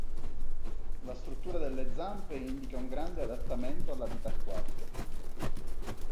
La struttura delle zampe indica un grande adattamento alla vita acquatica.